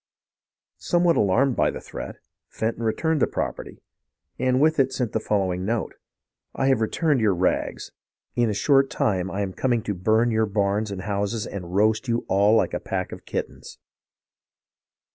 Somewhat alarmed by the threat, Fen ton returned the property, and with it sent the following note :' I have returned your rags. In a short time I am coming to burn your barns and houses and roast you all like a pack of kittens.'